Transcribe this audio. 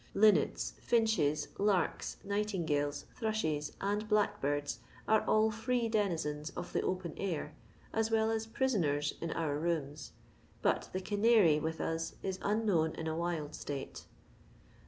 Linnets, finches, larks, night ingales, thrushes, and blackbirds, are all free denizens of the open air, as well as prisoners in our rooms, but the canary with us is unknown in a wild slate.